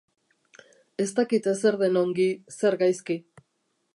Ez dakite zer den ongi, zer gaizki.